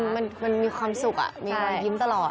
มันมีความสุขมีรอยยิ้มตลอด